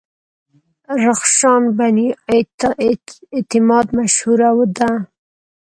رخشان بني اعتماد مشهوره ده.